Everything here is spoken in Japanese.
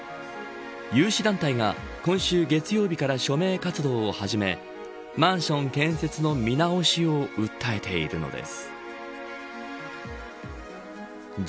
有志団体が、今週月曜日から署名活動を始めマンション建設の見直しを訴えているのです。